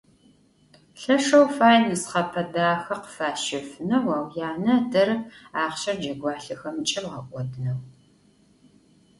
Lheşşeu fay nısxhape daxe khıfaşefıneu, au yane ıderep axhşer cegualhexemç'e bğek'odıneu.